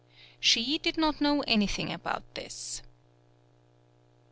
She did not know anything about this.